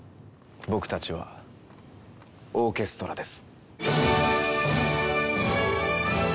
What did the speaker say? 僕たちはオーケストラです。